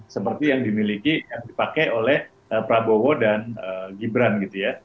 seperti yang dimiliki yang dipakai oleh prabowo dan gibran gitu ya